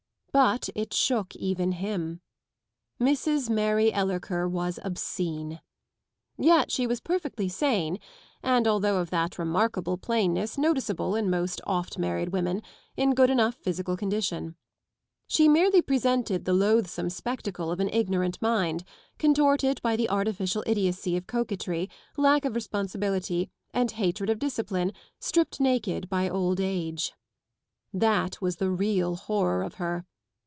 But it shook even him. Mrs. Mary Ellerlter was obscene. Yet she was perfectly sane and, although of that remarkable plainness noticeable in most oft*married women, in good enough physical condition. She merely presented the loathsome spectacle of an ignorant mind, contorted by the artificial idiocy of coquetry, lack of responsibility, and hatred of discipline, stripped naked by old age. That was the real horror of her.